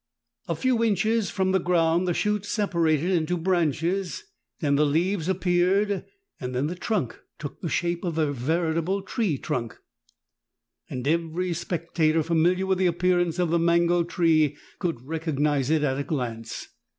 A few inches from the ground the shoot separated into branches; then the leaves appeared, then the trunk took the shape of a veritable tree trunk, and every specta tor familiar with the appearance of the mango tree could recognize it at a glance.